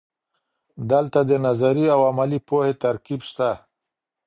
دلته د نظري او عملي پوهې ترکیب سته.